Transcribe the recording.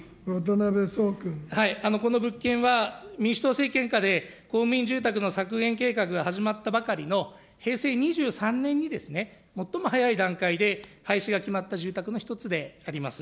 この物件は、民主党政権下で公務員住宅の削減計画が始まったばかりの平成２３年にですね、最も早い段階で廃止が決まった住宅の一つであります。